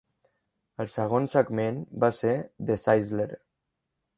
El segon segment va ser "The Sizzler".